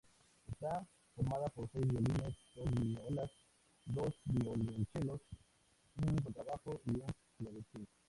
Está formada por seis violines, dos violas, dos violonchelos, un contrabajo y un clavecín.